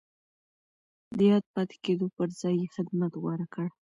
د ياد پاتې کېدو پر ځای يې خدمت غوره کړ.